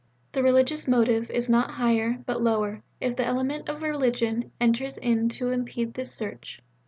The religious motive is not higher, but lower, if the element of religion enters in to impede this search.